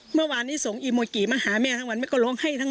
เมื่อวานนี้ส่งอีโมกิมาหาแม่ทั้งวันแม่ก็ร้องไห้ทั้ง